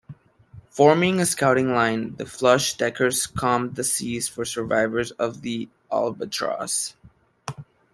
Forming a scouting line, the flush-deckers combed the seas for survivors of the "Albatross".